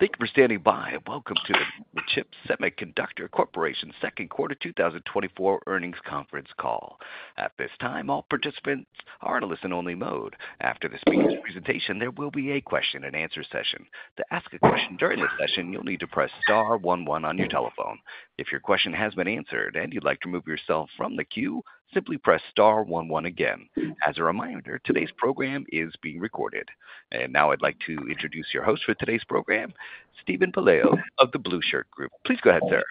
Thank you for standing by, and welcome to the MagnaChip Semiconductor Corporation Second Quarter 2024 Earnings Conference Call. At this time, all participants are in a listen-only mode. After the speaker's presentation, there will be a question and answer session. To ask a question during the session, you'll need to press star one one on your telephone. If your question has been answered and you'd like to remove yourself from the queue, simply press star one one again. As a reminder, today's program is being recorded. Now I'd like to introduce your host for today's program, Steven Pelayo of The Blueshirt Group. Please go ahead, sir.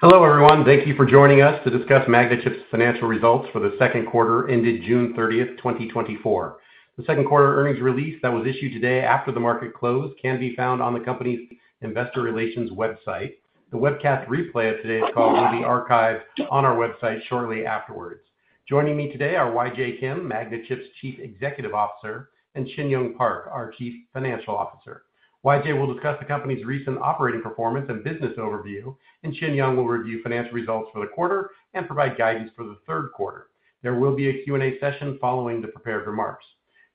Hello, everyone. Thank you for joining us to discuss MagnaChip's Financial Results for the Second Quarter ended June 30th, 2024. The second quarter earnings release that was issued today after the market closed can be found on the company's Investor Relations website. The webcast replay of today's call will be archived on our website shortly afterwards. Joining me today are YJ Kim, MagnaChip's Chief Executive Officer, and Shin Young Park, our Chief Financial Officer. YJ will discuss the company's recent operating performance and business overview, and Shin Young will review financial results for the quarter and provide guidance for the third quarter. There will be a Q&A session following the prepared remarks.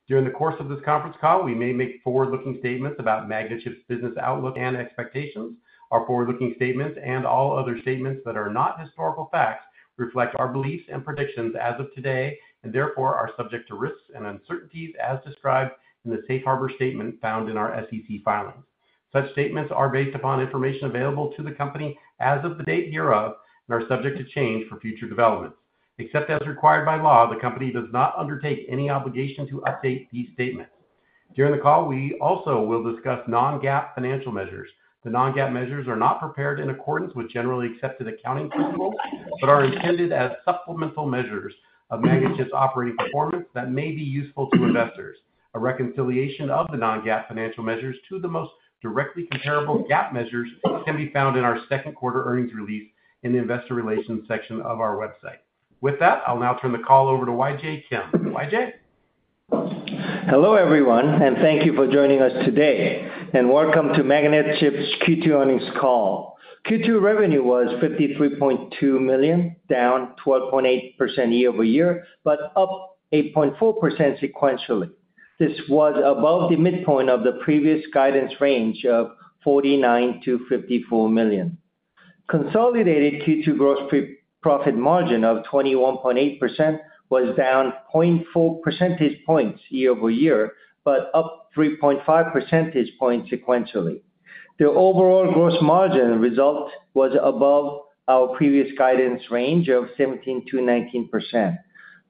During the course of this conference call, we may make forward-looking statements about MagnaChip's business outlook and expectations. Our forward-looking statements, and all other statements that are not historical facts, reflect our beliefs and predictions as of today, and therefore are subject to risks and uncertainties as described in the safe harbor statement found in our SEC filings. Such statements are based upon information available to the company as of the date hereof and are subject to change for future developments. Except as required by law, the company does not undertake any obligation to update these statements. During the call, we also will discuss Non-GAAP financial measures. The Non-GAAP measures are not prepared in accordance with generally accepted accounting principles, but are intended as supplemental measures of MagnaChip's operating performance that may be useful to investors. A reconciliation of the Non-GAAP financial measures to the most directly comparable GAAP measures can be found in our Second Quarter Earnings Release in the Investor Relations section of our website. With that, I'll now turn the call over to YJ Kim. YJ? Hello, everyone, and thank you for joining us today, and welcome to MagnaChip's Q2 Earnings Call. Q2 revenue was $53.2 million, down 12.8% YoY, but up 8.4% sequentially. This was above the midpoint of the previous guidance range of $49 million-$54 million. Consolidated Q2 gross profit margin of 21.8% was down 0.4 percentage points YoY, but up 3.5 percentage points sequentially. The overall gross margin result was above our previous guidance range of 17%-19%.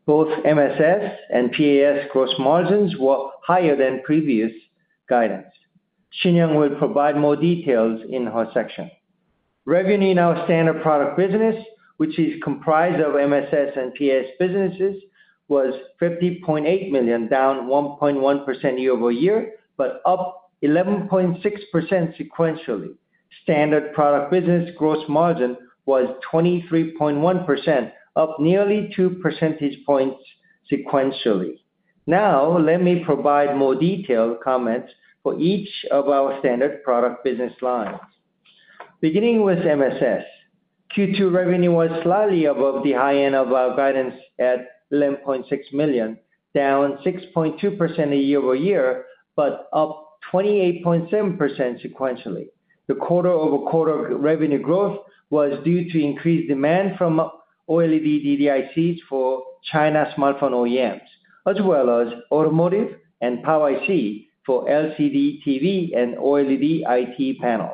Both MSS and PAS gross margins were higher than previous guidance. Shin Young will provide more details in her section. Revenue in our standard product business, which is comprised of MSS and PAS businesses, was $50.8 million, down 1.1% YoY, but up 11.6% sequentially. Standard product business gross margin was 23.1%, up nearly two percentage points sequentially. Now, let me provide more detailed comments for each of our standard product business lines. Beginning with MSS, Q2 revenue was slightly above the high end of our guidance at $11.6 million, down 6.2% YoY, but up 28.7% sequentially. The QoQ revenue growth was due to increased demand from OLED DDICs for China smartphone OEMs, as well as automotive and Power IC for LCD, TV, and OLED IT panels.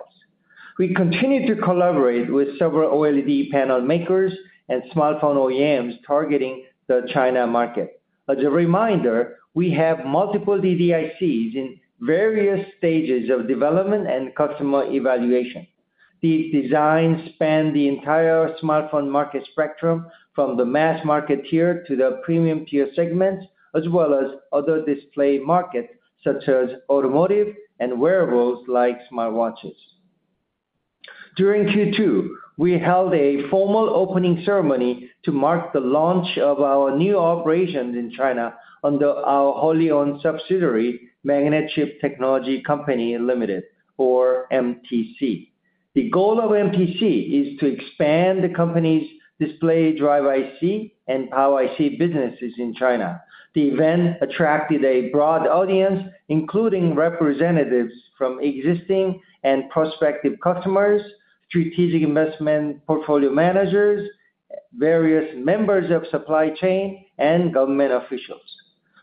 We continue to collaborate with several OLED panel makers and smartphone OEMs targeting the China market. As a reminder, we have multiple DDICs in various stages of development and customer evaluation. These designs span the entire smartphone market spectrum, from the mass market tier to the premium tier segments, as well as other display markets, such as automotive and wearables, like smartwatches. During Q2, we held a formal opening ceremony to mark the launch of our new operations in China under our wholly owned subsidiary, MagnaChip Technology Company Limited or MTC. The goal of MTC is to expand the company's display driver IC and Power IC businesses in China. The event attracted a broad audience, including representatives from existing and prospective customers, strategic investment portfolio managers, various members of supply chain, and government officials.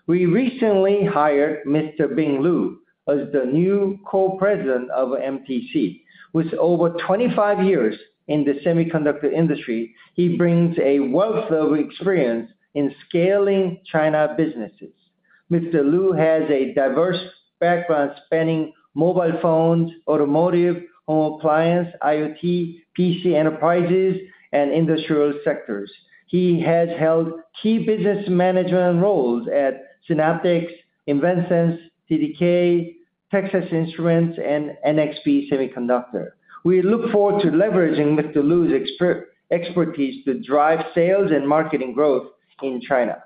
We recently hired Mr. Bing Lu as the new co-president of MTC. With over 25 years in the semiconductor industry, he brings a wealth of experience in scaling China businesses. Mr. Lu has a diverse background spanning mobile phones, automotive, home appliance, IoT, PC enterprises, and industrial sectors. He has held key business management roles at Synaptics, InvenSense, TDK, Texas Instruments, and NXP Semiconductors. We look forward to leveraging Mr. Lu's expertise to drive sales and marketing growth in China.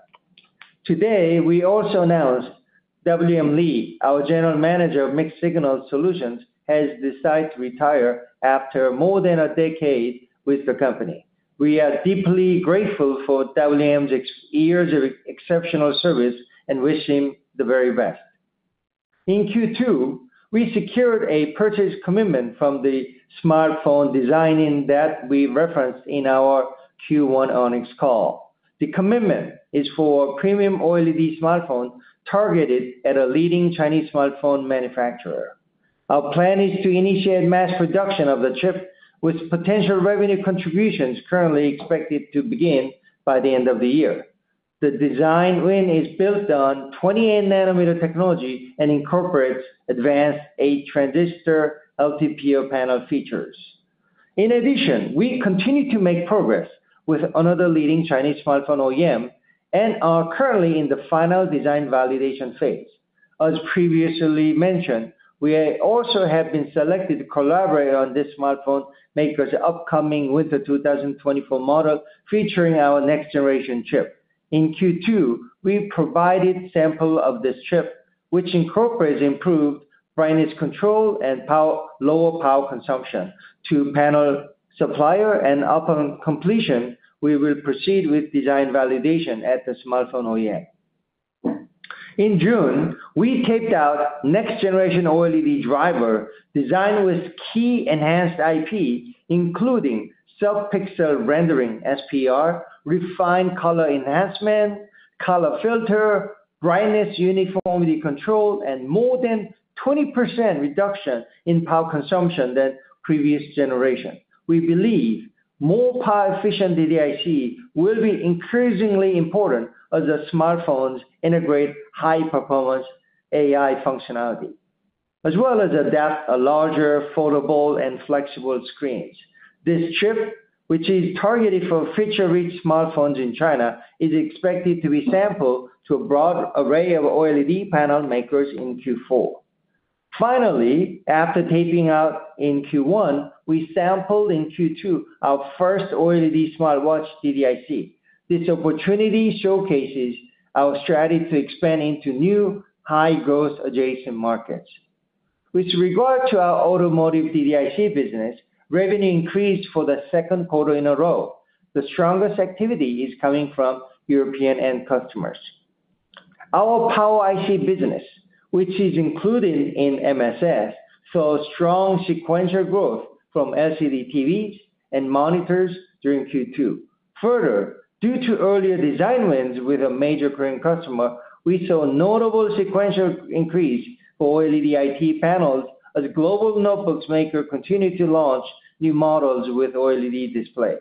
Today, we also announced William Lee, our General Manager of Mixed Signal Solutions, has decided to retire after more than a decade with the company. We are deeply grateful for William's years of exceptional service, and wish him the very best. In Q2, we secured a purchase commitment from the smartphone designer that we referenced in our Q1 Earnings Call. The commitment is for premium OLED smartphones, targeted at a leading Chinese smartphone manufacturer. Our plan is to initiate mass production of the chip, with potential revenue contributions currently expected to begin by the end of the year. The design win is built on 28nm technology and incorporates advanced 8-Transistor LTPO panel features. In addition, we continue to make progress with another leading Chinese smartphone OEM, and are currently in the final design validation phase. As previously mentioned, we also have been selected to collaborate on this smartphone maker's upcoming winter 2024 model, featuring our next-generation chip. In Q2, we provided sample of this chip, which incorporates improved brightness control and power, lower power consumption to panel supplier, and upon completion, we will proceed with design validation at the smartphone OEM. In June, we taped out next-generation OLED driver, designed with key enhanced IP, including self-pixel rendering, SPR, refined color enhancement, color filter, brightness uniformity control, and more than 20% reduction in power consumption than previous generation. We believe more power-efficient DDIC will be increasingly important as the smartphones integrate high-performance AI functionality, as well as adopt a larger foldable and flexible screens. This chip, which is targeted for feature-rich smartphones in China, is expected to be sampled to a broad array of OLED panel makers in Q4. Finally, after taping out in Q1, we sampled in Q2 our first OLED smartwatch DDIC. This opportunity showcases our strategy to expand into new, high-growth adjacent markets. With regard to our automotive DDIC business, revenue increased for the second quarter in a row. The strongest activity is coming from European end customers. Our Power IC business, which is included in MSS, saw strong sequential growth from LCD TVs and monitors during Q2. Further, due to earlier design wins with a major Korean customer, we saw a notable sequential increase for OLED IT panels as global notebook makers continued to launch new models with OLED display.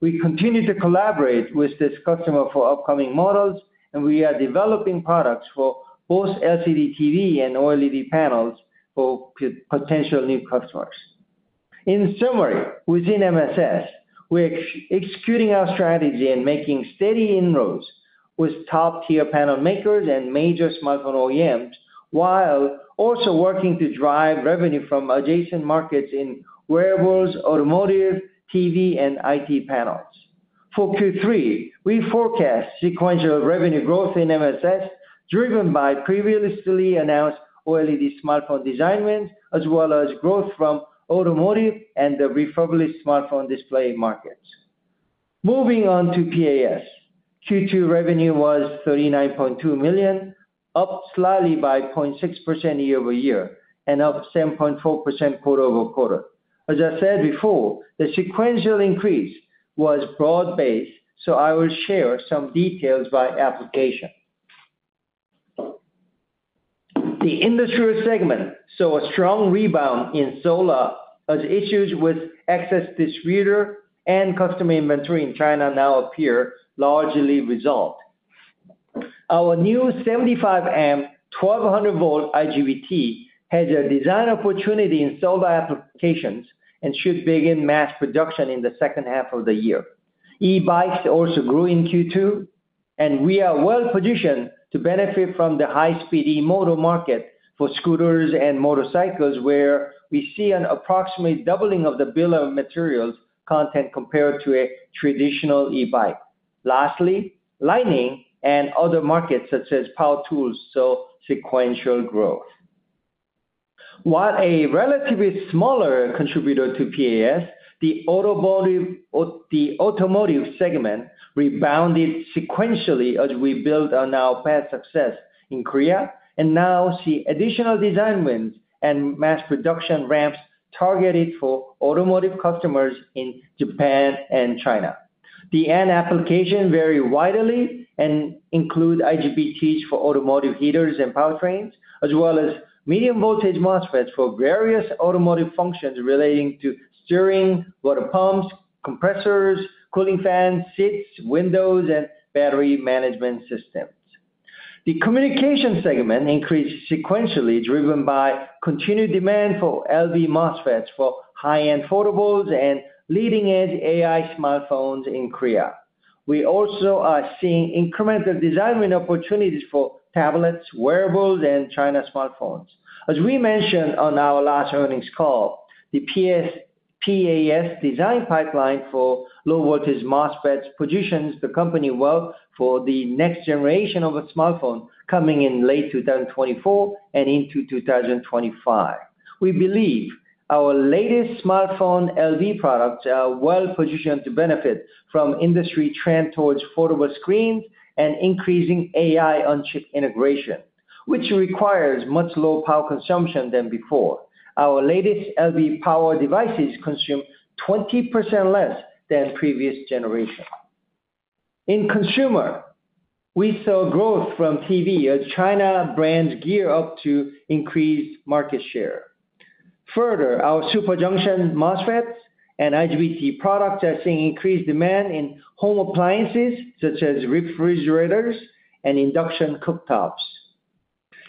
We continue to collaborate with this customer for upcoming models, and we are developing products for both LCD TV and OLED panels for potential new customers. In summary, within MSS, we're executing our strategy and making steady inroads with top-tier panel makers and major smartphone OEMs, while also working to drive revenue from adjacent markets in wearables, automotive, TV, and IT panels. For Q3, we forecast sequential revenue growth in MSS, driven by previously announced OLED smartphone design wins, as well as growth from automotive and the refurbished smartphone display markets. Moving on to PAS. Q2 revenue was $39.2 million, up slightly by 0.6% YoY, and up 7.4% QoQ. As I said before, the sequential increase was broad-based, so I will share some details by application. The industrial segment saw a strong rebound in solar, as issues with excess distributor and customer inventory in China now appear largely resolved. Our new 75A 1200V IGBT has a design opportunity in solar applications and should begin mass production in the second half of the year. E-bikes also grew in Q2, and we are well positioned to benefit from the high-speed e-moto market for scooters and motorcycles, where we see an approximately doubling of the bill of materials content compared to a traditional e-bike. Lastly, lighting and other markets, such as power tools, saw sequential growth. While a relatively smaller contributor to PAS, the automotive segment rebounded sequentially as we build on our past success in Korea, and now see additional design wins and mass production ramps targeted for automotive customers in Japan and China. The end application vary widely and include IGBTs for automotive heaters and powertrains, as well as medium-voltage MOSFETs for various automotive functions relating to steering, water pumps, compressors, cooling fans, seats, windows, and battery management systems. The communication segment increased sequentially, driven by continued demand for LV MOSFETs for high-end portables and leading-edge AI smartphones in Korea. We also are seeing incremental design win opportunities for tablets, wearables, and China smartphones. As we mentioned on our last earnings call, the PS- PAS design pipeline for low-voltage MOSFETs positions the company well for the next generation of a smartphone, coming in late 2024 and into 2025. We believe our latest smartphone LV products are well positioned to benefit from industry trend towards foldable screens and increasing AI on-chip integration, which requires much lower power consumption than before. Our latest LV power devices consume 20% less than previous generation. In consumer, we saw growth from TV as China brands gear up to increase market share. Further, our Super Junction MOSFETs and IGBT products are seeing increased demand in home appliances such as refrigerators and induction cooktops.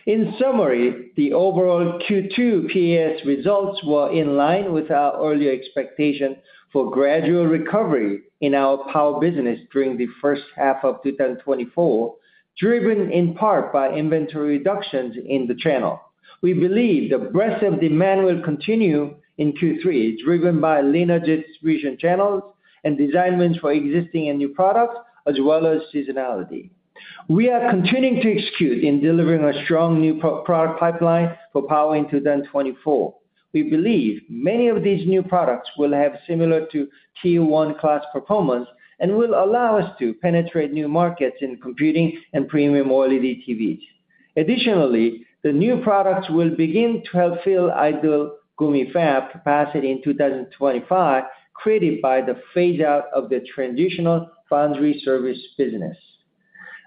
In summary, the overall Q2 PAS results were in line with our earlier expectation for gradual recovery in our power business during the first half of 2024, driven in part by inventory reductions in the channel. We believe the breadth of demand will continue in Q3, driven by leaner distribution channels and design wins for existing and new products, as well as seasonality. We are continuing to execute in delivering a strong new product pipeline for power in 2024. We believe many of these new products will have similar to Q1 class performance, and will allow us to penetrate new markets in computing and premium OLED TVs. Additionally, the new products will begin to help fill idle Gumi fab capacity in 2025, created by the phase out of the transitional foundry service business.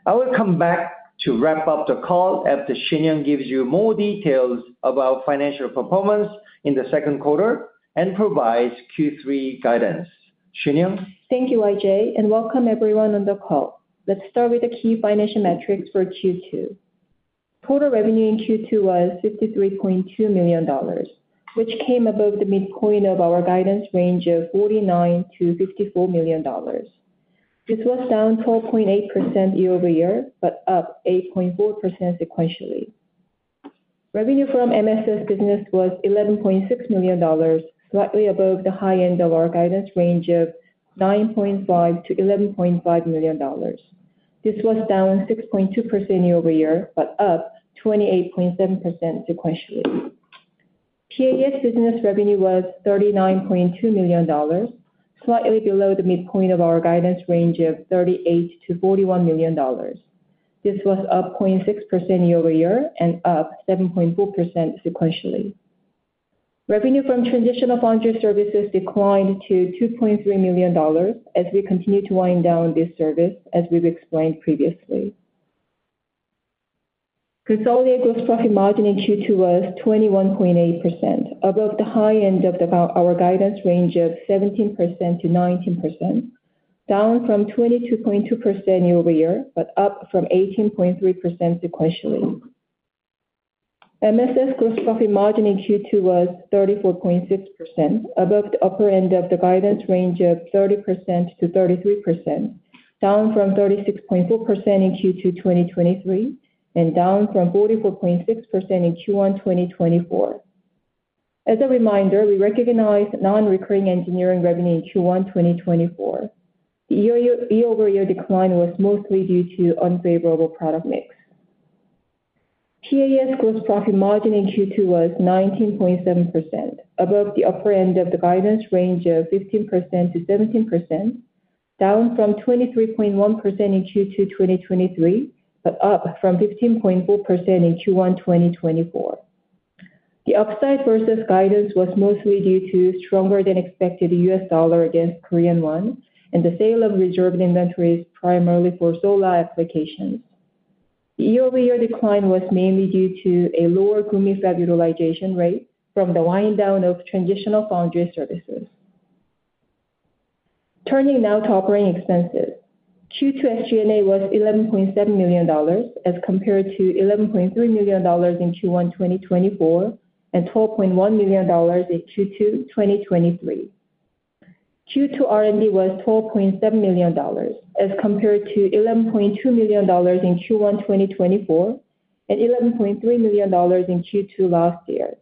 I will come back to wrap up the call after Shin Young gives you more details about financial performance in the second quarter and provides Q3 guidance. Shin Young? Thank you, YJ, and welcome everyone on the call. Let's start with the key financial metrics for Q2. Total revenue in Q2 was $53.2 million, which came above the midpoint of our guidance range of $49 million-$54 million. This was down 12.8% YoY, but up 8.4% sequentially. Revenue from MSS business was $11.6 million, slightly above the high end of our guidance range of $9.5 million-$11.5 million. This was down 6.2% YoY, but up 28.7% sequentially. PAS business revenue was $39.2 million, slightly below the midpoint of our guidance range of $38 million-$41 million. This was up 0.6% YoY and up 7.4% sequentially. Revenue from traditional foundry services declined to $2.3 million as we continue to wind down this service, as we've explained previously. Consolidated gross profit margin in Q2 was 21.8%, above the high end of our guidance range of 17%-19%, down from 22.2% YoY, but up from 18.3% sequentially. MSS gross profit margin in Q2 was 34.6%, above the upper end of the guidance range of 30%-33%, down from 36.4% in Q2 2023, and down from 44.6% in Q1 2024. As a reminder, we recognized non-recurring engineering revenue in Q1 2024. The YoY decline was mostly due to unfavorable product mix. PAS gross profit margin in Q2 was 19.7%, above the upper end of the guidance range of 15%-17%, down from 23.1% in Q2 2023, but up from 15.4% in Q1 2024. The upside versus guidance was mostly due to stronger than expected US dollar against Korean won, and the sale of reserved inventories, primarily for solar applications. The YoY decline was mainly due to a lower Gumi fab utilization rate from the wind down of transitional foundry services. Turning now to operating expenses. Q2 SG&A was $11.7 million, as compared to $11.3 million in Q1 2024, and $12.1 million in Q2 2023. Q2 R&D was $12.7 million, as compared to $11.2 million in Q1 2024, and $11.3 million in Q2 last year.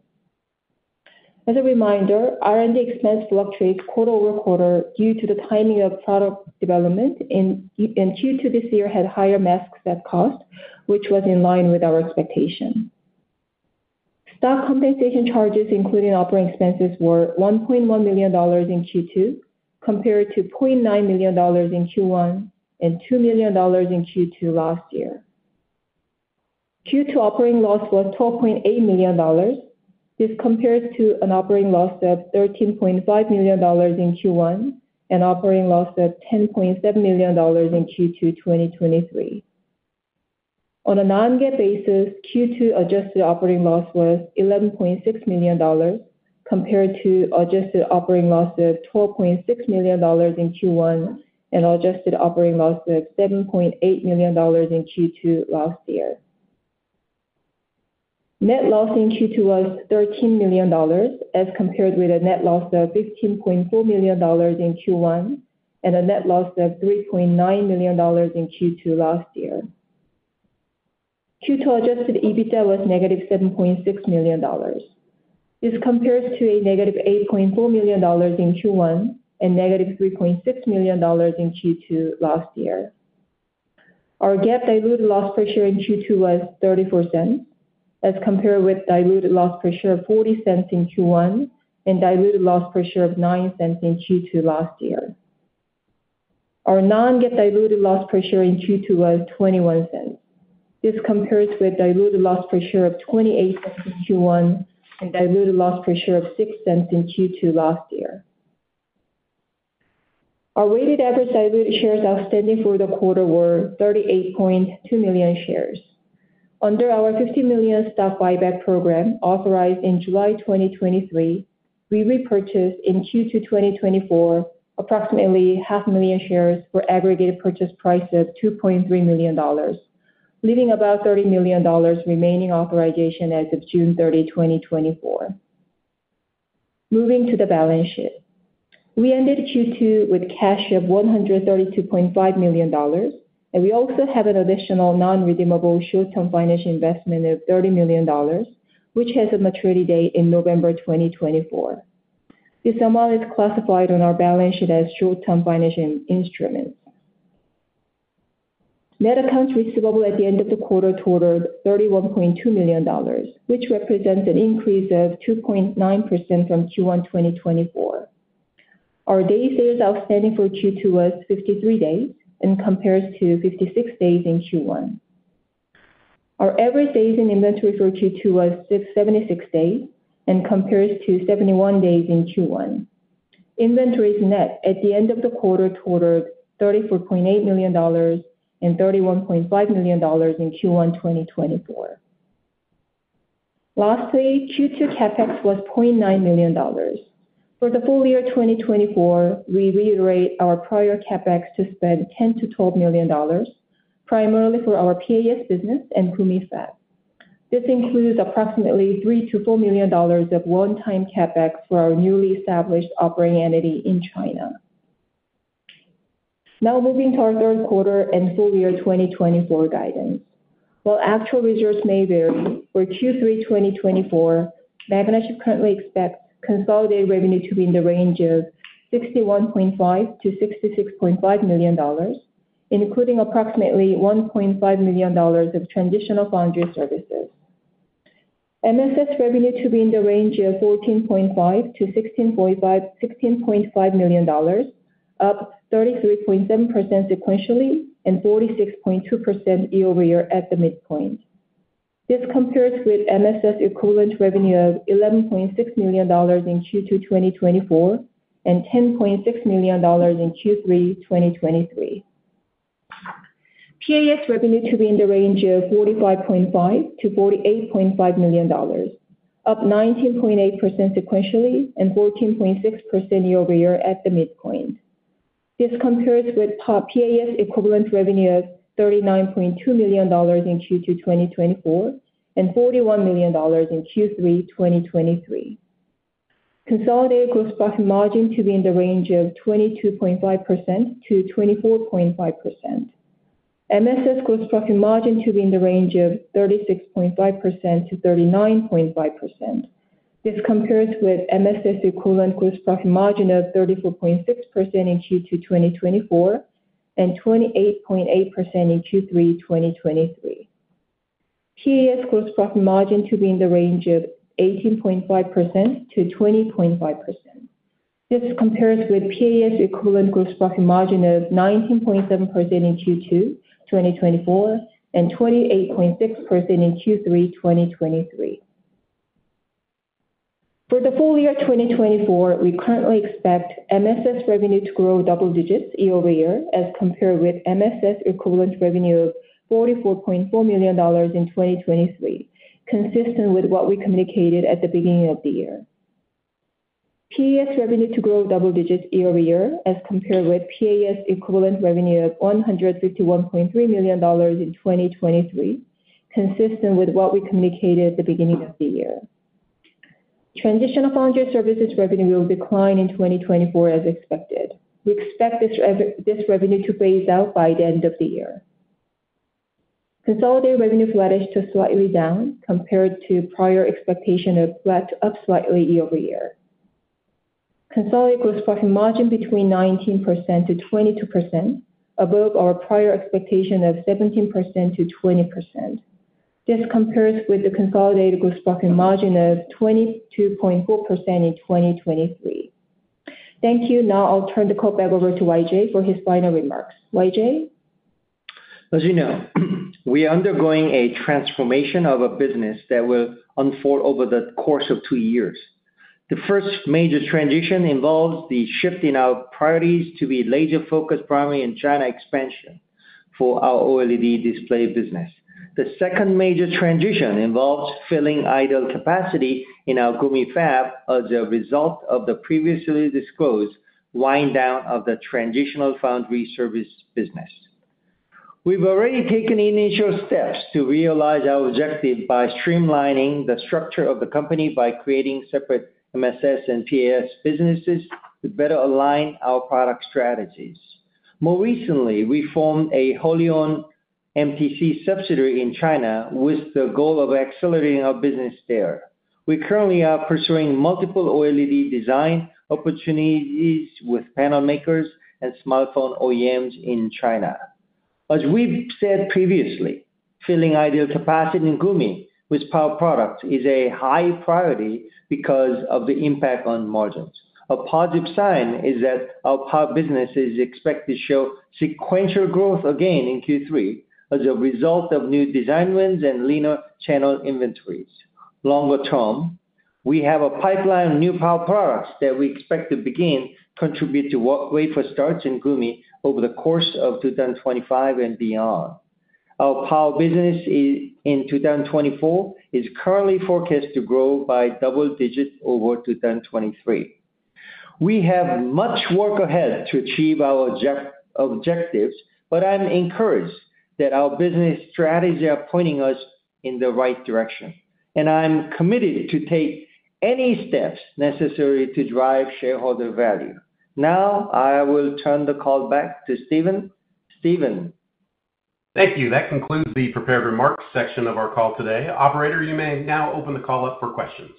As a reminder, R&D expense fluctuates QoQ due to the timing of product development, and Q2 this year had higher mask set costs, which was in line with our expectation. Stock compensation charges, including operating expenses, were $1.1 million in Q2, compared to $0.9 million in Q1, and $2 million in Q2 last year. Q2 operating loss was $12.8 million. This compares to an operating loss of $13.5 million in Q1 and operating loss of $10.7 million in Q2 2023. On a non-GAAP basis, Q2 adjusted operating loss was $11.6 million, compared to adjusted operating loss of $12.6 million in Q1, and adjusted operating loss of $7.8 million in Q2 last year. Net loss in Q2 was $13 million, as compared with a net loss of $15.4 million in Q1, and a net loss of $3.9 million in Q2 last year. Q2 adjusted EBITDA was -$7.6 million. This compares to a -$8.4 million in Q1 and -$3.6 million in Q2 last year. Our GAAP diluted loss per share in Q2 was $0.34, as compared with diluted loss per share of $0.40 in Q1, and diluted loss per share of $0.09 in Q2 last year. Our Non-GAAP diluted loss per share in Q2 was $0.21. This compares with diluted loss per share of $0.28 in Q1, and diluted loss per share of $0.06 in Q2 last year. Our weighted average diluted shares outstanding for the quarter were 38.2 million shares. Under our $50 million stock buyback program, authorized in July 2023, we repurchased in Q2 2024, approximately 500,000 shares for aggregate purchase price of $2.3 million, leaving about $30 million remaining authorization as of June 30, 2024. Moving to the balance sheet. We ended Q2 with cash of $132.5 million, and we also have an additional non-redeemable short-term financial investment of $30 million, which has a maturity date in November 2024. This amount is classified on our balance sheet as short-term financial instruments. Net accounts receivable at the end of the quarter totaled $31.2 million, which represents an increase of 2.9% from Q1 2024. Our days sales outstanding for Q2 was 53 days, and compares to 56 days in Q1. Our average days in inventory for Q2 was seventy-six days, and compares to 71 days in Q1. Inventories net at the end of the quarter totaled $34.8 million and $31.5 million in Q1 2024. Lastly, Q2 CapEx was $0.9 million. For the full year 2024, we reiterate our prior CapEx to spend $10 million-$12 million, primarily for our PAS business and Gumi fab. This includes approximately $3 million-$4 million of one-time CapEx for our newly established operating entity in China. Now moving to our third quarter and full year 2024 guidance. While actual results may vary, for Q3 2024, MagnaChip currently expects consolidated revenue to be in the range of $61.5 million-$66.5 million, including approximately $1.5 million of transitional foundry services. MSS revenue to be in the range of $14.5 million-$16.5 million, up 33.7% sequentially and 46.2% YoY at the midpoint. This compares with MSS equivalent revenue of $11.6 million in Q2 2024, and $10.6 million in Q3 2023. PAS revenue to be in the range of $45.5 million-$48.5 million, up 19.8% sequentially and 14.6% YoY at the midpoint. This compares with top PAS equivalent revenue of $39.2 million in Q2 2024, and $41 million in Q3 2023. Consolidated gross profit margin to be in the range of 22.5%-24.5%. MSS gross profit margin to be in the range of 36.5%-39.5%. This compares with MSS equivalent gross profit margin of 34.6% in Q2 2024, and 28.8% in Q3 2023. PAS gross profit margin to be in the range of 18.5%-20.5%. This compares with PAS equivalent gross profit margin of 19.7% in Q2 2024, and 28.6% in Q3 2023. For the full year 2024, we currently expect MSS revenue to grow double digits YoY, as compared with MSS equivalent revenue of $44.4 million in 2023, consistent with what we communicated at the beginning of the year. PAS revenue to grow double digits YoY, as compared with PAS equivalent revenue of $151.3 million in 2023, consistent with what we communicated at the beginning of the year. Transitional foundry services revenue will decline in 2024 as expected. We expect this revenue to phase out by the end of the year. Consolidated revenue flattish to slightly down, compared to prior expectation of flat to up slightly YoY. Consolidated gross profit margin between 19%-22%, above our prior expectation of 17%-20%. This compares with the consolidated gross profit margin of 22.4% in 2023. Thank you. Now I'll turn the call back over to YJ for his final remarks. YJ? As you know, we are undergoing a transformation of a business that will unfold over the course of two years. The first major transition involves the shifting our priorities to be laser-focused primarily in China expansion for our OLED display business. The second major transition involves filling idle capacity in our Gumi fab as a result of the previously disclosed wind down of the transitional foundry service business. We've already taken initial steps to realize our objective by streamlining the structure of the company, by creating separate MSS and PAS businesses to better align our product strategies. More recently, we formed a wholly-owned MTC subsidiary in China with the goal of accelerating our business there.... We currently are pursuing multiple OLED design opportunities with panel makers and smartphone OEMs in China. As we've said previously, filling idle capacity in Gumi with power products is a high priority because of the impact on margins. A positive sign is that our power business is expected to show sequential growth again in Q3 as a result of new design wins and leaner channel inventories. Longer term, we have a pipeline of new power products that we expect to begin contribute to wafer starts in Gumi over the course of 2025 and beyond. Our power business is, in 2024, is currently forecast to grow by double digits over 2023. We have much work ahead to achieve our objectives, but I'm encouraged that our business strategy are pointing us in the right direction, and I'm committed to take any steps necessary to drive shareholder value. Now, I will turn the call back to Steven. Steven? Thank you. That concludes the prepared remarks section of our call today. Operator, you may now open the call up for questions.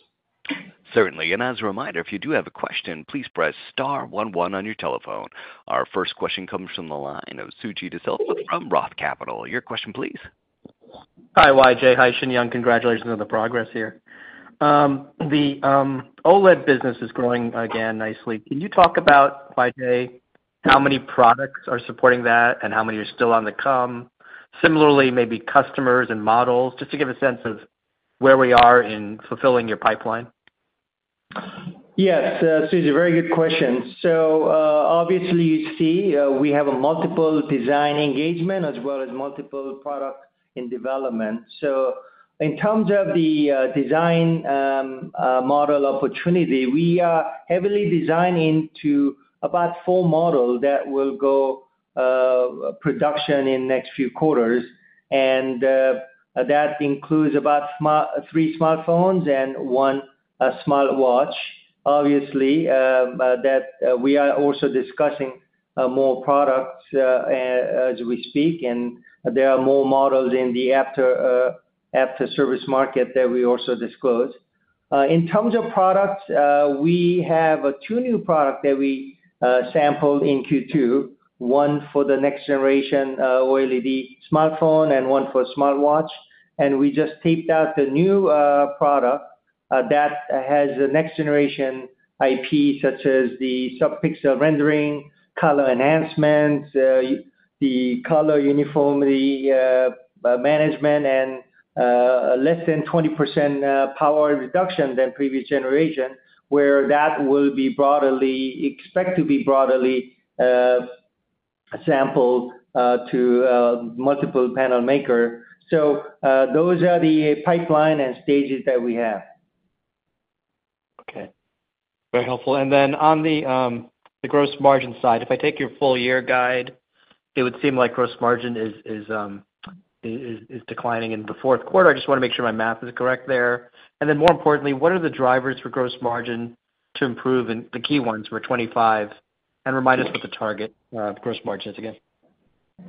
Certainly. As a reminder, if you do have a question, please press star one one on your telephone. Our first question comes from the line of Suji DeSilva from ROTH Capital. Your question, please. Hi, YJ. Hi, Shin Young. Congratulations on the progress here. The OLED business is growing again nicely. Can you talk about, by today, how many products are supporting that and how many are still on the come? Similarly, maybe customers and models, just to give a sense of where we are in fulfilling your pipeline? Yes, Suji, very good question. So, obviously, you see, we have multiple design engagement as well as multiple products in development. So in terms of the design model opportunity, we are heavily designing to about four model that will go production in next few quarters, and that includes about three smartphones and one smartwatch. Obviously, but that we are also discussing more products as we speak, and there are more models in the after-service market that we also disclose. In terms of products, we have two new product that we sampled in Q2, one for the next generation OLED smartphone and one for smartwatch. We just taped out the new product that has the next generation IP, such as the sub-pixel rendering, color enhancements, the color uniformity management, and less than 20% power reduction than previous generation, where that will be broadly expected to be broadly sampled to multiple panel makers. Those are the pipeline and stages that we have. Okay. Very helpful. And then on the, the gross margin side, if I take your full year guide, it would seem like gross margin is declining in the fourth quarter. I just want to make sure my math is correct there. And then more importantly, what are the drivers for gross margin to improve, and the key ones for 2025, and remind us what the target gross margin is again?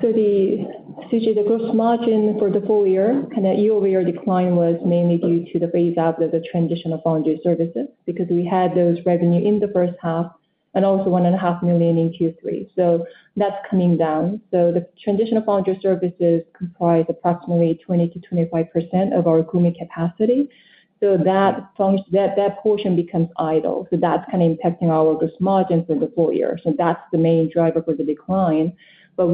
So, Suji, the gross margin for the full year, kind of YoY decline was mainly due to the phase out of the transitional foundry services, because we had those revenue in the first half and also $1.5 million in Q3. So that's coming down. So the transitional foundry services comprise approximately 20%-25% of our Gumi capacity. So that portion becomes idle, so that's kind of impacting our gross margins for the full year. So that's the main driver for the decline. But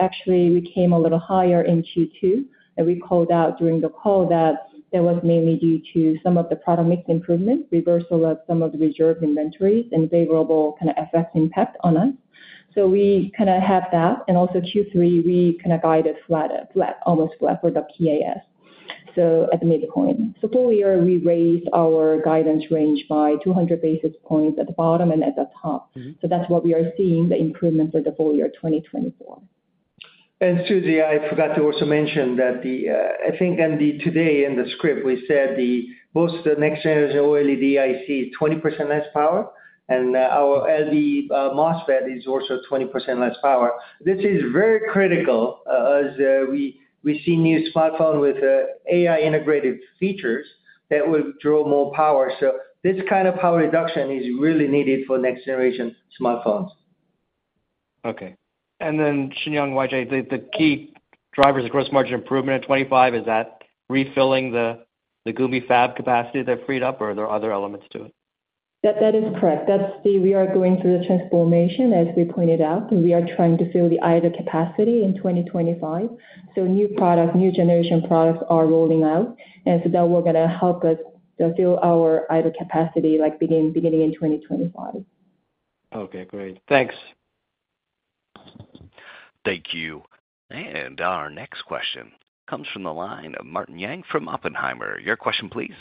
actually, we came a little higher in Q2, and we called out during the call that that was mainly due to some of the product mix improvement, reversal of some of the reserved inventories and favorable kind of FX impact on us. So we kind of have that. And also Q3, we kind of guided flatter, flat, almost flat with the PAS, so at the midpoint. So full year, we raised our guidance range by 200 basis points at the bottom and at the top. Mm-hmm. That's what we are seeing, the improvements for the full year 2024. And Suji, I forgot to also mention that the, I think in the today in the script, we said the, both the next generation OLED, I see 20% less power, and, our LV MOSFET is also 20% less power. This is very critical, as we see new smartphone with AI integrated features that will draw more power. So this kind of power reduction is really needed for next generation smartphones. Okay. And then, Shin Young, YJ, the key drivers of gross margin improvement at 25%, is that refilling the Gumi fab capacity that freed up, or are there other elements to it? That, that is correct. That's the—we are going through the transformation, as we pointed out, and we are trying to fill the idle capacity in 2025. So new products, new generation products are rolling out, and so that will gonna help us to fill our idle capacity, like, beginning in 2025. Okay, great. Thanks. Thank you. Our next question comes from the line of Martin Yang from Oppenheimer. Your question, please.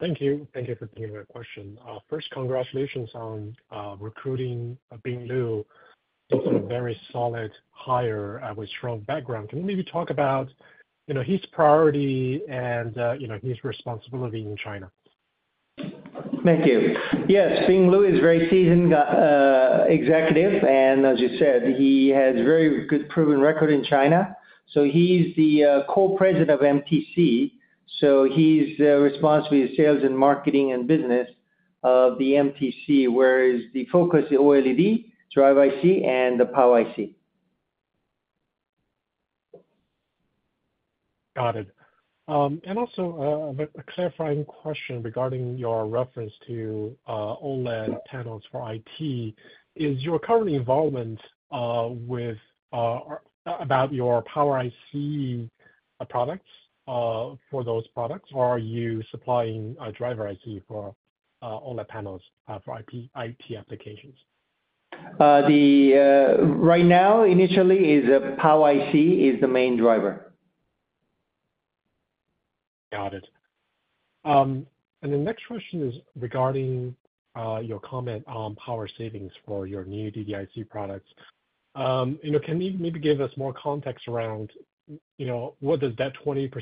Thank you. Thank you for taking my question. First, congratulations on recruiting Bing Lu. It's a very solid hire with strong background. Can you maybe talk about, you know, his priority and, you know, his responsibility in China?... Thank you. Yes, Bing Lu is a very seasoned executive, and as you said, he has very good proven record in China. So he's the Co-President of MTC, so he's responsible for the sales and marketing and business of the MTC, whereas the focus is OLED, driver IC, and the power IC. Got it. And also, a clarifying question regarding your reference to OLED panels for IT. Is your current involvement with about your power IC products for those products? Or are you supplying a driver IC for OLED panels for IT applications? Right now, initially, power IC is the main driver. Got it. And the next question is regarding your comment on power savings for your new DDIC products. You know, can you maybe give us more context around, you know, what does that 20%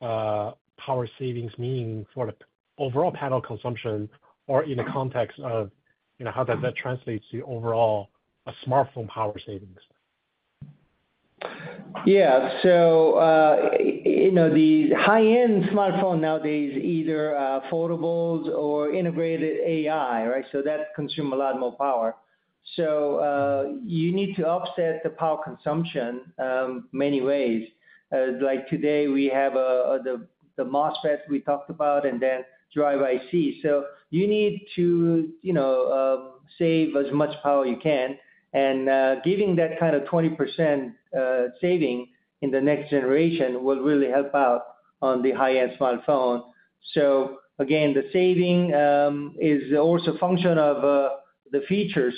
power savings mean for the overall panel consumption, or in the context of, you know, how does that translate to overall smartphone power savings? Yeah. So, you know, the high-end smartphone nowadays, either foldables or integrated AI, right? So that consume a lot more power. So, you need to offset the power consumption, many ways. Like today, we have the MOSFET we talked about and then driver IC. So you need to, you know, save as much power you can, and giving that kind of 20% saving in the next generation will really help out on the high-end smartphone. So again, the saving is also a function of the features.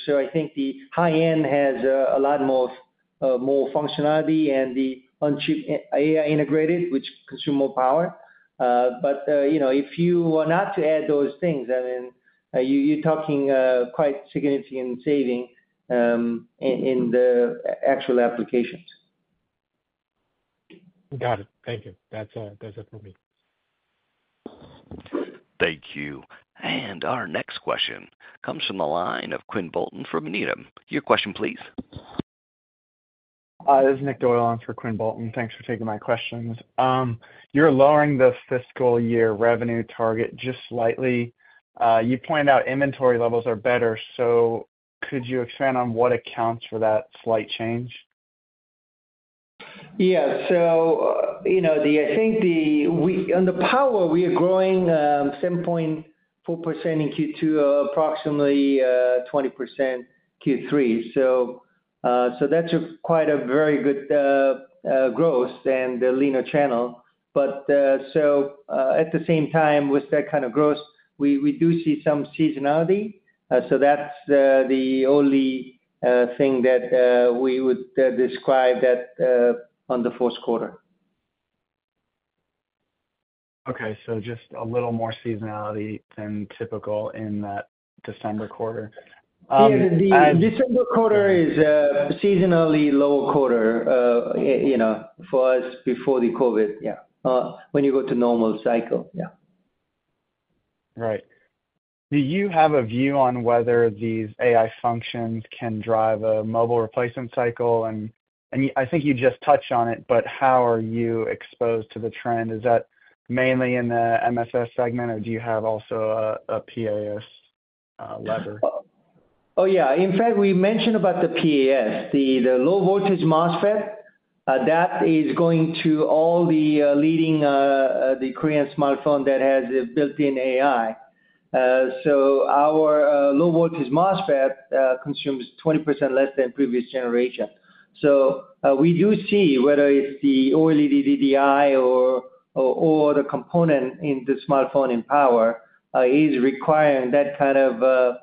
So I think the high end has a lot more of more functionality and the on-chip AI integrated, which consume more power. But, you know, if you were not to add those things, I mean, you're talking quite significant saving in the actual applications. Got it. Thank you. That's, that's it for me. Thank you. And our next question comes from the line of Quinn Bolton from Needham. Your question, please. This is Nick Doyle in for Quinn Bolton. Thanks for taking my questions. You're lowering this fiscal year revenue target just slightly. You pointed out inventory levels are better, so could you expand on what accounts for that slight change? Yeah. So, you know, I think on the power, we are growing 7.4% in Q2, approximately 20% Q3. So, so that's a quite a very good growth and a leaner channel. But, so, at the same time, with that kind of growth, we do see some seasonality. So that's the only thing that we would describe that on the fourth quarter. Okay. So just a little more seasonality than typical in that December quarter. and- Yeah, the December quarter is a seasonally lower quarter, you know, for us, before the COVID. Yeah. When you go to normal cycle, yeah. Right. Do you have a view on whether these AI functions can drive a mobile replacement cycle? I think you just touched on it, but how are you exposed to the trend? Is that mainly in the MSS segment, or do you have also a PAS lever? Oh, yeah. In fact, we mentioned about the PAS, the low-voltage MOSFET that is going to all the leading the Korean smartphone that has a built-in AI. So our low-voltage MOSFET consumes 20% less than previous generation. So we do see whether it's the OLED DDI or the component in the smartphone in power is requiring that kind of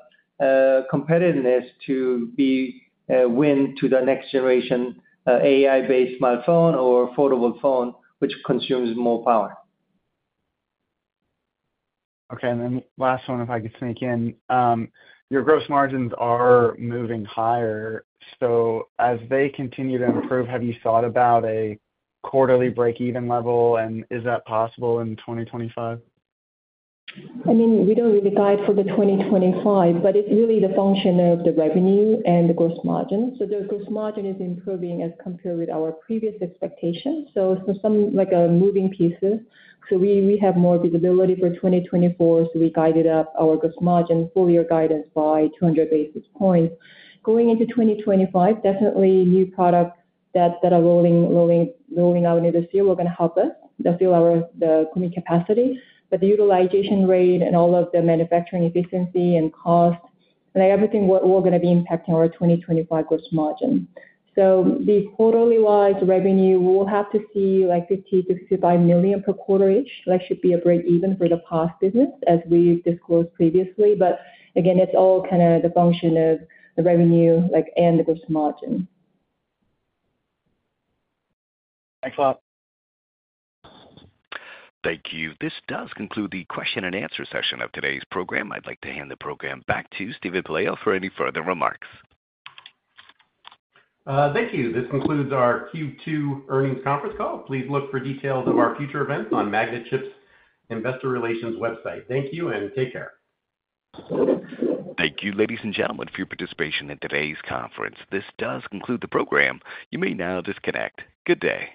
competitiveness to be win to the next generation AI-based smartphone or foldable phone, which consumes more power. Okay. And then last one, if I could sneak in. Your gross margins are moving higher, so as they continue to improve, have you thought about a quarterly break-even level, and is that possible in 2025? I mean, we don't really guide for 2025, but it's really the function of the revenue and the gross margin. So the gross margin is improving as compared with our previous expectations, so for some, like, moving pieces. So we have more visibility for 2024, so we guided up our gross margin full year guidance by 200 basis points. Going into 2025, definitely new products that are rolling out into this year are going to help us. They'll fill our... the capacity, but the utilization rate and all of the manufacturing efficiency and cost, and everything were going to be impacting our 2025 gross margin. So the quarterly-wise revenue, we'll have to see, like, $50 million-$65 million per quarter-ish. That should be a break even for the PAS business, as we disclosed previously. But again, it's all kind of the function of the revenue, like, and the gross margin. Thanks a lot. Thank you. This does conclude the question and answer session of today's program. I'd like to hand the program back to Steven Pelayo for any further remarks. Thank you. This concludes our Q2 Earnings Conference Call. Please look for details of our future events on MagnaChip's Investor Relations website. Thank you, and take care. Thank you, ladies and gentlemen, for your participation in today's conference. This does conclude the program. You may now disconnect. Good day.